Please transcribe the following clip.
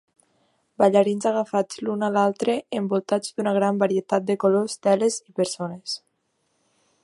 Ballarins agafats l'un a l'altre envoltats d'una gran varietat de colors, teles i persones.